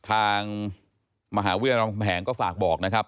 ทางมหาวิทยาลำแหงก็ฝากบอกนะครับ